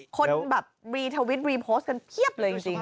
คนแบบรีทวิตรีโพสต์กันเพียบเลยจริง